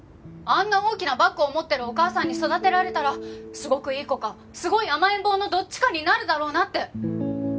あんな大きなバッグを持ってるお母さんに育てられたらすごくいい子かすごい甘えん坊のどっちかになるだろうなって。